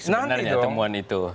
sebenarnya temuan itu